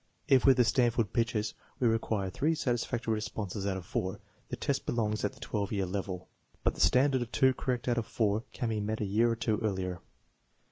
If with the Stanford pictures we require three satisfactory responses out of four, the test belongs at the 18 year level, but the standard of two correct out of four can be met a year or two earlier.